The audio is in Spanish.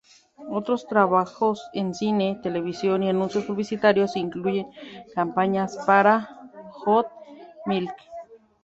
Otros trabajos en cine, televisión y anuncios publicitarios incluyen campañas para "Got Milk?